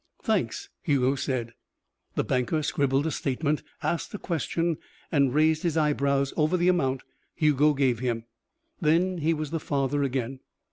"Thanks," Hugo said. The banker scribbled a statement, asked a question, and raised his eyebrows over the amount Hugo gave him. Then he was the father again.